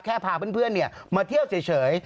แค่พาเพื่อนเนี่ยมาเที่ยวเฉย